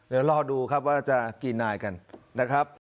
เดี๋ยวรอดูครับว่าจะกี่นายกันนะครับ